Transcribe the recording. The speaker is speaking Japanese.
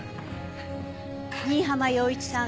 新浜陽一さん